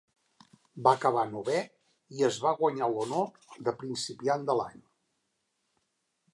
Va acabar novè i es va guanyar l'honor de principiant de l'any.